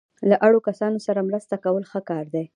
له اړو کسانو سره مرسته کول ښه کار دی.